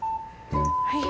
はい。